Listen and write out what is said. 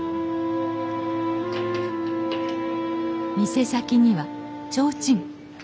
店先には提灯。